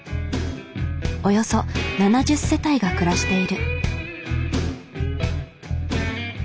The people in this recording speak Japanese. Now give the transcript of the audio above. およそ７０世帯が暮らしている。